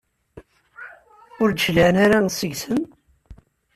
Ur d-cliɛen ara seg-sen?